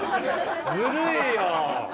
ずるいよ！